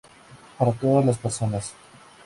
Para todas las personas".